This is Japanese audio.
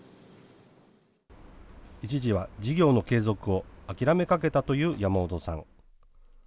一時は事業の継続を諦めかけたという山本さん。